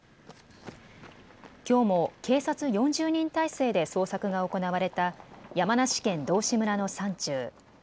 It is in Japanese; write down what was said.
きょうも警察４０人態勢で捜索が行われた、山梨県道志村の山中。